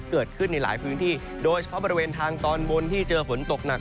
เกิดขึ้นในหลายพื้นที่โดยเฉพาะบริเวณทางตอนบนที่เจอฝนตกหนัก